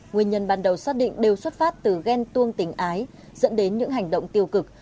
nguyên nhân ban đầu xác định đều xuất phát từ ghen tuông tình ái dẫn đến những hành động tiêu cực